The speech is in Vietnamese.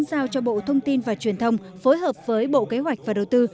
giao cho bộ thông tin và truyền thông phối hợp với bộ kế hoạch và đầu tư